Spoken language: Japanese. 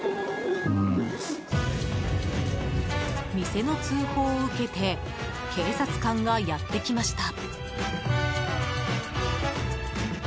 店の通報を受けて警察官がやってきました。